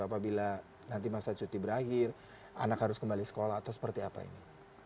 apabila nanti masa cuti berakhir anak harus kembali sekolah atau seperti apa ini